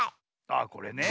あっこれね。